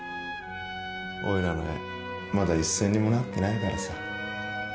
おいらの絵まだ一銭にもなってないからさ